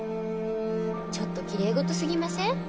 ちょっときれいごとすぎません？